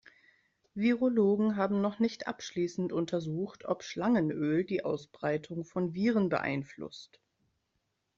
Virologen haben noch nicht abschließend untersucht, ob Schlangenöl die Ausbreitung von Viren beeinflusst.